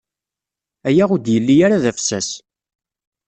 Aya ur d-yelli ara d afessas.